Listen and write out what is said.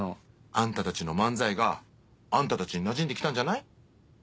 あんたたちの漫才があんたたちになじんできたんじゃない？